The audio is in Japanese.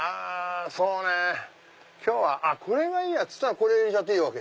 そうね今日はこれがいいや！ってなったら入れちゃっていい。